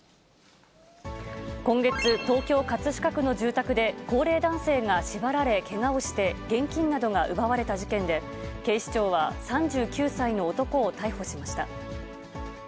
今月、東京・葛飾区の住宅で高齢男性が縛られけがをして、現金などが奪われた事件で、警視庁は３９歳の男を逮捕しました。